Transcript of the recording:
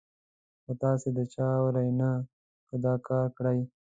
خو تاسې د چا اورئ نه، که دا کار کړئ.